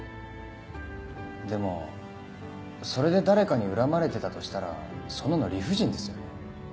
でもそれで誰かに恨まれてたとしたらそんなの理不尽ですよね。